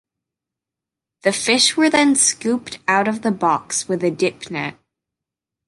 The fish were then scooped out of the box with a dip net.